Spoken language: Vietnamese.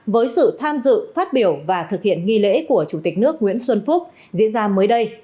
với sự tham dự phát biểu và thực hiện nghi lễ của chủ tịch nước nguyễn xuân phúc diễn ra mới đây